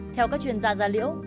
theo các chuyên gia da liễu